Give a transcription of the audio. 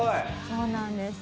そうなんです。